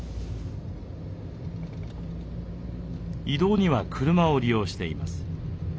移動には車を利用しています。